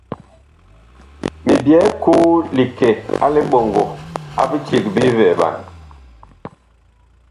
Mi byɛɛ koo li kɛ a liɓɔŋgɔ a biceg bi vɛɛɓan.